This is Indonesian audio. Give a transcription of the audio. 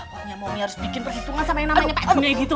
pokoknya mami harus bikin perhitungan sama yang namanya pak junedi tuh